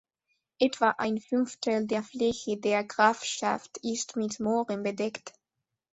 Etwa ein Fünftel der Fläche der Grafschaft ist mit Mooren bedeckt.